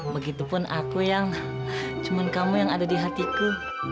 begitupun aku yang cuma kamu yang ada di hatiku